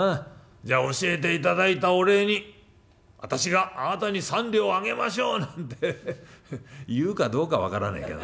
じゃあ教えていただいたお礼に私があなたに三両あげましょう』なんてヘヘ言うかどうか分からねえけどな。